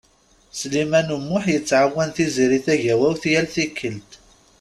Sliman U Muḥ yettɛawan Tiziri Tagawawt yal tikkelt.